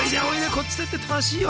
こっちだって楽しいよ。